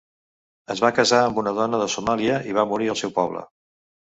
Es va casar amb una dona de Somàlia i va morir al seu poble.